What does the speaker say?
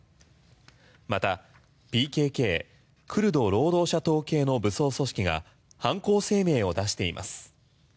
またＰＫＫクルド労働者党系の武装組織が犯行声明を出しています。